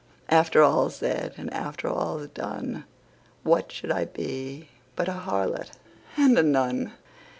After all's said and after all's done, What should I be but a harlot and a nun?